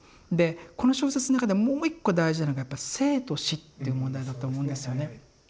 でこの小説の中ではもう一個大事なのがやっぱ生と死っていう問題だと思うんですよね。